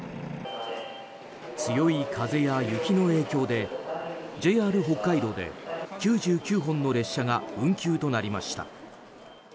強い風や雪の影響でＪＲ北海道で９９本の列車が運休となりました。